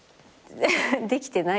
できてないね。